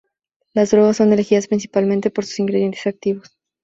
Las drogas son elegidas principalmente por sus ingredientes activos.